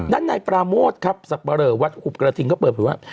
ด้านในปราโมทครับสับปะเลอวัดหุบกระทิงก็เปิดเผยว่า